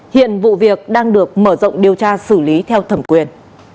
hiện vụ việc đang được mở rộng điều tra xử lý theo thẩm quyền